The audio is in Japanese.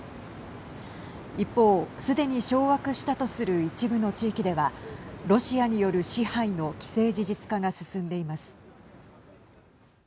一方、すでに掌握したとする一部の地域ではロシアによる支配の既成事実化が進んでいます。